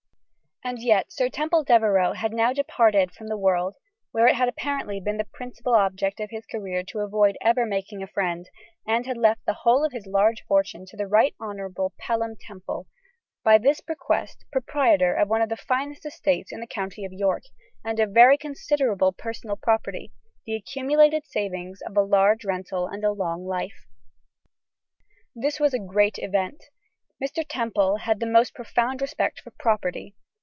And yet Sir Temple Devereux had now departed from the world, where it had apparently been the principal object of his career to avoid ever making a friend, and had left the whole of his large fortune to the Right Honourable Pelham Temple, by this bequest proprietor of one of the finest estates in the county of York, and a very considerable personal property, the accumulated savings of a large rental and a long life. This was a great event. Mr. Temple had the most profound respect for property.